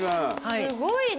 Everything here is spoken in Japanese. すごいね。